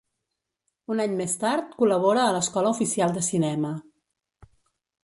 Un any més tard col·labora a l'Escola Oficial de Cinema.